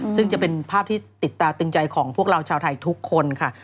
ซึ่งจะเป็นภาพที่ติดตาตึงใจของพวกเราชาวไทยทุกคนค่ะ